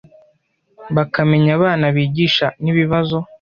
bakamenya abana bigisha n’ibibazo